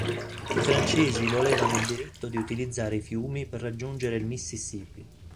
I francesi volevano il diritto di utilizzare i fiumi per raggiungere il Mississippi.